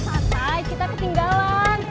santai kita ketinggalan